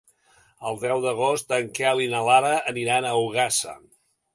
El deu d'agost en Quel i na Lara aniran a Ogassa.